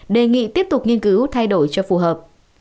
đề nghị tiếp tục nghiên cứu thay đổi cho phù hợp